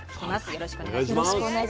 よろしくお願いします。